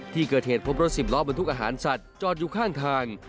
ที่เกิดเหตุพบรถสิบล้อบรรทุกอาหารสัตว์จอดอยู่ข้างทาง